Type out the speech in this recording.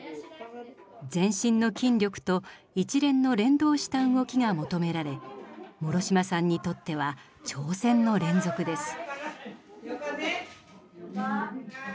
全身の筋力と一連の連動した動きが求められ諸島さんにとっては挑戦の連続です。